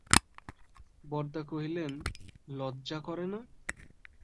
বরদা কহিলেন, লজ্জা করে না?